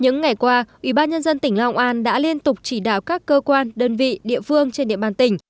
những ngày qua ubnd tỉnh long an đã liên tục chỉ đạo các cơ quan đơn vị địa phương trên địa bàn tỉnh